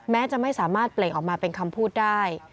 แม้จะไม่สามารถเปล่งออกมาเป็นคำพูดได้